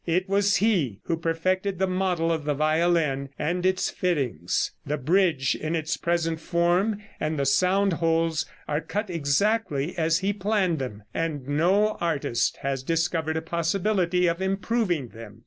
It was he who perfected the model of the violin and its fittings. The bridge in its present form, and the sound holes, are cut exactly as he planned them, and no artist has discovered a possibility of improving them.